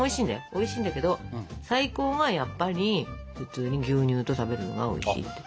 おいしいんだけど最高はやっぱり普通に牛乳と食べるのがおいしいんだって。